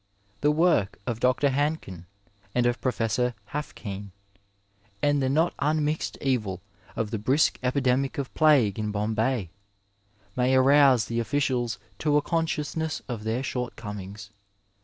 The work of Dr. Hankin and of Professor HafOdne, and the not unmixed evil of the brisk epidemic of plague in Bombay, may arouse the officials to a con sciousness of their shortcomings.